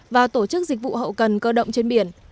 và tổ chức dịch vụ hậu cần cơ động trên biển